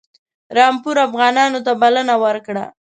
رامپور افغانانو ته بلنه ورکړه.